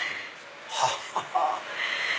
ハハハ！